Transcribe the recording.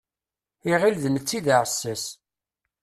Iɣil d netta i d aɛessas.